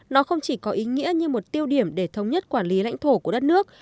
nó không chỉ có ý nghĩa như một tiêu điểm để thống nhất quản lý lãnh thổ của đất nước